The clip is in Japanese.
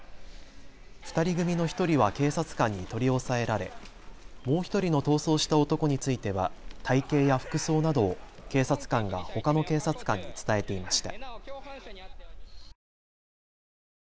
２人組の１人は警察官に取り押さえられもう１人の逃走した男については体型や服装などを警察官がほかの警察官に伝えていました。